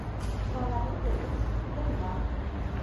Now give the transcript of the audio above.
— Тыланет эре еҥга.